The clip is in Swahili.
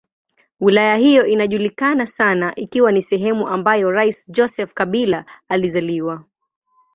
Wilaya hiyo inajulikana sana ikiwa ni sehemu ambayo rais Joseph Kabila alizaliwa.